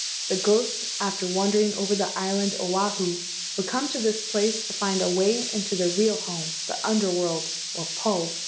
The ghosts after wandering over the island Oahu would come to this place to find a way into their real home, the Under world or Po.